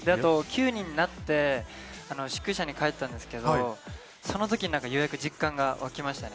９人になって宿舎に帰ったんですけど、その時にようやく実感が湧きました。